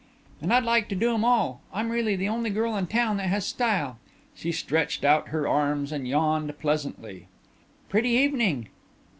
"And I'd like to do 'em an' all. I'm really the only girl in town that has style." She stretched out her arms and yawned pleasantly. "Pretty evening."